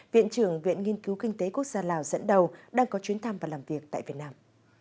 viện trưởng viện nghiên cứu kinh tế quốc gia lào dẫn đầu đang có chuyến thăm và làm việc tại việt nam